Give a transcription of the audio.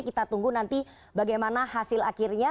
kita tunggu nanti bagaimana hasil akhirnya